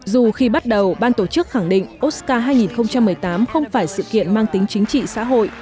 dù khi bắt đầu ban tổ chức khẳng định osaka hai nghìn một mươi tám không phải sự kiện mang tính chính trị xã hội